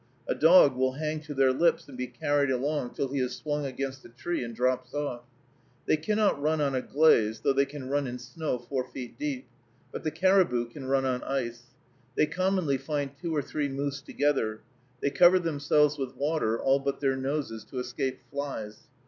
A dog will hang to their lips, and be carried along till he is swung against a tree and drops off. They cannot run on a "glaze," though they can run in snow four feet deep; but the caribou can run on ice. They commonly find two or three moose together. They cover themselves with water, all but their noses, to escape flies.